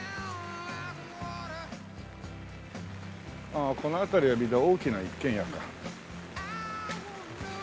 ああこの辺りはみんな大きな一軒家か。